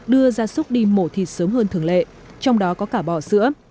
đưa gia súc đi mổ thịt sớm hơn thường lệ trong đó có cả bò sữa